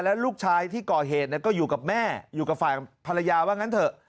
แล้วลูกชายที่ก่อเหตุก็อยู่กับแม่อยู่กับฝ่ายภรรยาว่างั้นเถอะ